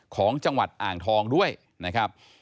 ของจังหวัดอ่างทองด้วยนะครับ